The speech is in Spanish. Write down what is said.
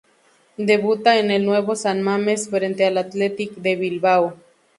Debuta en el Nuevo San Mames frente al Athletic de Bilbao.